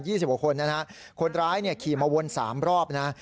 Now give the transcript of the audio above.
สิบกว่าคนนะฮะคนร้ายเนี่ยขี่มาวนสามรอบนะ